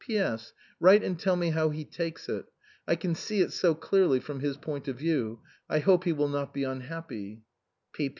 "P.S. Write and tell me how he takes it. I can see it so clearly ! from his point of view. I hope he will not be unhappy.